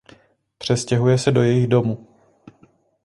Přestěhuje se do jejich domu.